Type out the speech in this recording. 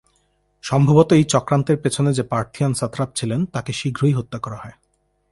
সম্ভবত এই চক্রান্তের পেছনে যে পার্থিয়ান সাত্রাপ ছিলেন তাকে শীঘ্রই হত্যা করা হয়।